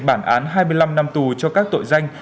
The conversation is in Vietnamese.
bản án hai mươi năm năm tù cho các tội danh